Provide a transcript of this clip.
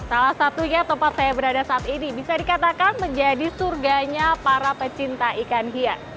salah satunya tempat saya berada saat ini bisa dikatakan menjadi surganya para pecinta ikan hias